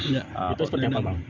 itu seperti apa bang